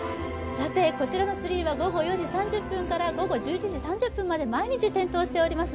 こちらのツリーは午後４時３０分から午後１１時３０分まで毎日点灯しております。